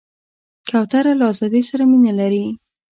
کوتره له آزادۍ سره مینه لري.